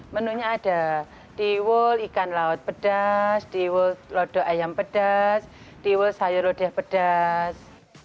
menunya ada tiwul ikan laut pedas tiwul lodo ayam pedas tiwul sayur lodeh pedas